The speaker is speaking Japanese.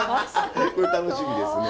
これ楽しみですね。